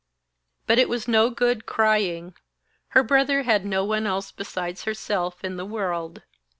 But it was no good crying. Her brother had no one else besides herself in the world.